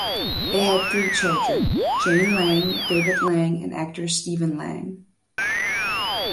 They had three children: Jane Lang, David Lang, and actor Stephen Lang.